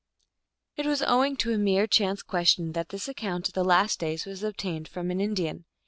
It was owing to a mere chance question that this account of the Last Day was obtained from an Indian.